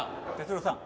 哲郎さん